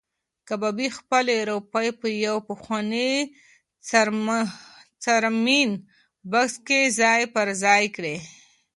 کبابي خپلې روپۍ په یو پخواني څرمنین بکس کې ځای پر ځای کړې.